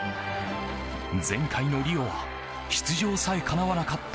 前回のリオは出場さえかなわなかった